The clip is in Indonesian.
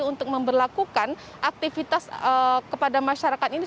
tapi kita harus melakukan aktivitas kepada masyarakat ini